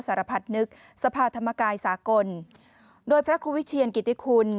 รพัฒนึกสภาธรรมกายสากลโดยพระครูวิเชียนกิติคุณ